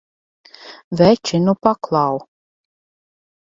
Veči, nu paklau!